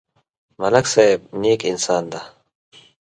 ملک صاحب نېک انسان دی.